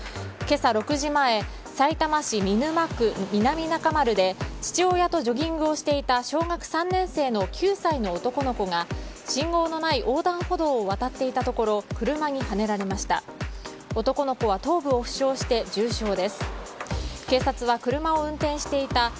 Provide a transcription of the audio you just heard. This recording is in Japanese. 今朝６時前さいたま市見沼区南中丸で父親とジョギングをしていた小学３年生の９歳の男の子が信号のない横断歩道を渡っていたところ車にはねられました。